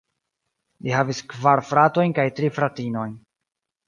Li havis kvar fratojn kaj tri fratinojn.